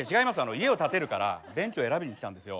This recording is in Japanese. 家を建てるから便器を選びに来たんですよ。